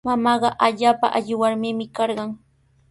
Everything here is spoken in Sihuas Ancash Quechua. Mamaaqa allaapa alli warmimi karqan.